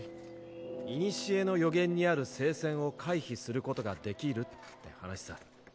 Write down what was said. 古の預言にある聖戦を回避することができるって話さ。